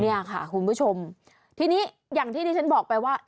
เนี่ยค่ะคุณผู้ชมทีนี้อย่างที่ที่ฉันบอกไปว่า